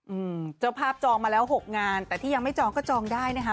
อืมเจ้าภาพจองมาแล้วหกงานแต่ที่ยังไม่จองก็จองได้นะคะ